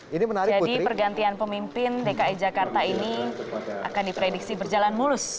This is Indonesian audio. jadi pergantian pemimpin dki jakarta ini akan diprediksi berjalan mulus